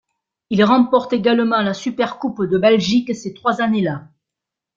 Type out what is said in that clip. Il remporte également la Supercoupe de Belgique ces trois années-là.